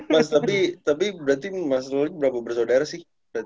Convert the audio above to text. mas tapi berarti mas nugi berapa bersaudara sih